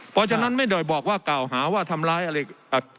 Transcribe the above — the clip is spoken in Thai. เพราะฉะนั้นไม่ได้บอกว่ากล่าวหาว่าทำร้ายอะไร